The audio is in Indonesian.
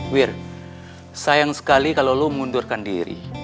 wir sayang sekali kalo lo mengundurkan diri